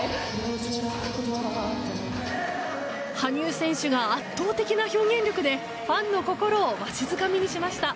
羽生選手が圧倒的な表現力でファンの心をわしづかみにしました。